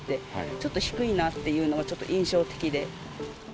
ちょっと低いなっていうのが、ちょっと印象的で。